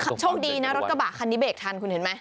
โชคดีนะรถกระบะคันนี้เบรกทันคุณเห็นไหม